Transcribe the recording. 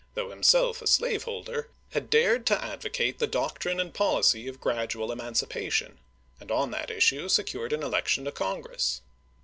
though himself a slaveholder, had dared to advocate the doctrine and policy of gradual emancipation, and on that issue secured an election to Congress.